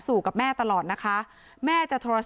ลูกชายก็ให้ข้อมูลเหมือนกัน